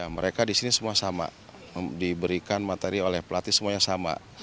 mereka di sini semua sama diberikan materi oleh pelatih semuanya sama